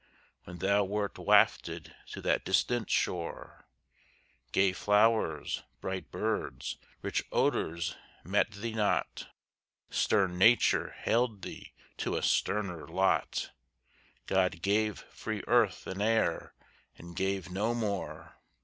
When thou wert wafted to that distant shore, Gay flowers, bright birds, rich odors met thee not, Stern Nature hailed thee to a sterner lot, God gave free earth and air, and gave no more.